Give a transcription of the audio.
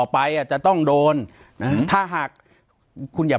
ปากกับภาคภูมิ